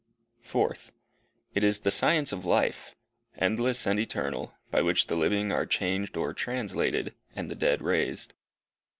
Fourth. It is the science of life endless and eternal, by which the living are changed or translated, and the dead raised.